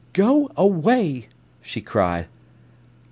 "Go away!" she cried.